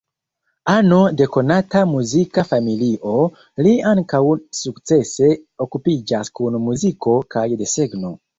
Ano de konata muzika familio, li ankaŭ sukcese okupiĝas kun muziko kaj desegno.